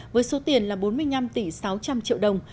với số tiền là bốn mươi năm tỷ sáu trăm linh triệu đồng